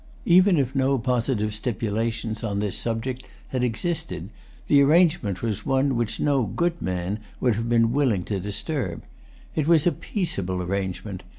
Even if no positive stipulations on this subject had existed, the arrangement was one which no good man would have been willing to disturb. It was a peaceable arrangement.